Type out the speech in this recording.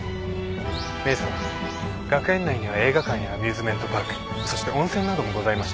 メイさま学園内には映画館やアミューズメントパークそして温泉などもございまして。